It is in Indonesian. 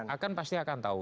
akan pasti akan tahu